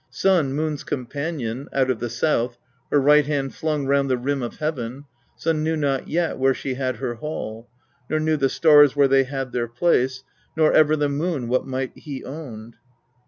5. Sun, Moon's companion, out of the south her right hand flung round the rim of heaven. Sun knew not yet where she had her hall ; nor knew the stars where they had their place; nor ever the Moon what might he owned.